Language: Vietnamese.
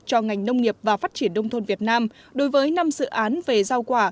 cho ngành nông nghiệp và phát triển đông thôn việt nam đối với năm dự án về giao quả